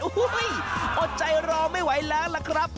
โอ้โหอดใจรอไม่ไหวแล้วล่ะครับ